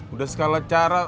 udah segala cara